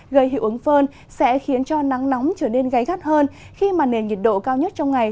gây hiệu ứng phơn sẽ khiến cho nắng nóng trở nên gáy gắt hơn khi mà nền nhiệt độ cao nhất trong ngày